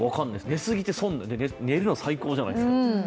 寝過ぎて損、寝るの最高じゃないですか。